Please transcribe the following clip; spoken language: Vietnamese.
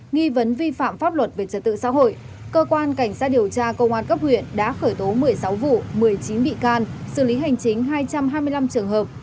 nghi vấn vi phạm pháp luật về trật tự xã hội cơ quan cảnh sát điều tra công an cấp huyện đã khởi tố một mươi sáu vụ một mươi chín bị can xử lý hành chính hai trăm hai mươi năm trường hợp